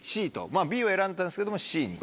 Ｂを選んだんですけどもＣに。